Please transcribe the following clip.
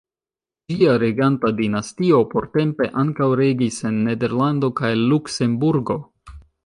Ĝia reganta dinastio portempe ankaŭ regis en Nederlando kaj Luksemburgo.